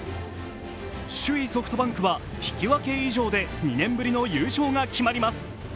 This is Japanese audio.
首位・ソフトバンクは引き分け以上で２年ぶりの優勝が決まります。